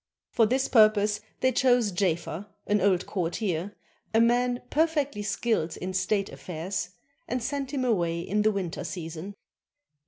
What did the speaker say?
For this purpose they chose Jafer, an old courtier, a man perfectly skilled in state afifairs, and sent him away in the winter season.